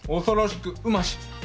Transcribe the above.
恐ろしくうまし！